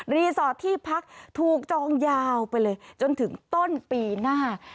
รีสอร์ทที่พักถูกจองยาวไปเลยจนถึงต้นปีหน้า